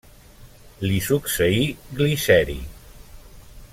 Li succeí Gliceri.